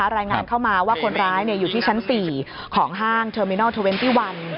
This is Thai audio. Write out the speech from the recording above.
รายงานเข้ามาว่าคนร้ายอยู่ที่ชั้น๔ของห้างเทอร์มินัล๒๑